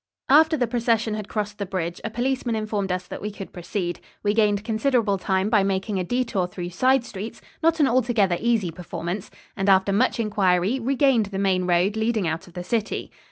After the procession had crossed the bridge, a policeman informed us that we could proceed. We gained considerable time by making a detour through side streets not an altogether easy performance and after much inquiry regained the main road leading out of the city.